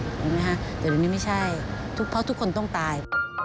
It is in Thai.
แต่เดี๋ยวนี้ไม่ใช่เพราะทุกคนต้องตาย